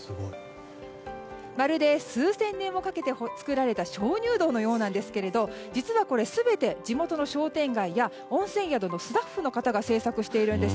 まるで数千年をかけて作られた鍾乳洞のようなんですけど実はこれ全て地元の商店街や温泉宿のスタッフの方が制作しているんです。